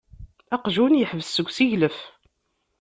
Aqjun yeḥbes seg useglef.